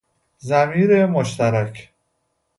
ضمیر مشترک